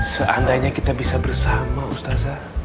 seandainya kita bisa bersama ustazah